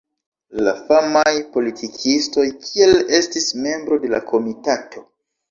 La famaj politikistoj kiel estis membro de komitato.